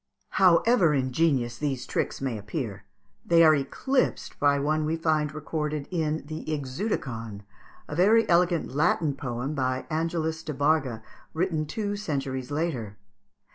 However ingenious these tricks may appear, they are eclipsed by one we find recorded in the "Ixeuticon," a very elegant Latin poem, by Angelis de Barga, written two centuries later.